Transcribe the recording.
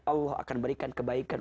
allah akan memberikan kebaikan